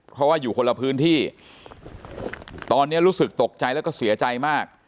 เพราะว่าอยู่คนละพื้นที่ตอนนี้รู้สึกตกใจแล้วก็เสียใจมาก